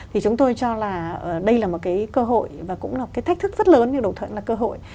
thì chúng tôi cho là đây là một cái cơ hội và cũng là cái thách thức rất lớn như đột thuận là cơ hội